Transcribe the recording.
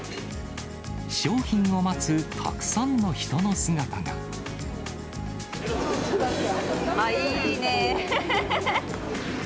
商品を待つたくさんの人の姿あっ、いいねー。